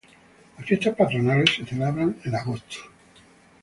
Las fiestas patronales se celebran en agosto.